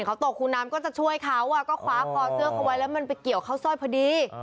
เขาตกคลูน้ำก็เลยคว้าไปโดนสร้อยเขารูด